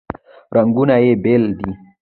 رنګونه یې بیل دي.